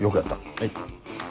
はい。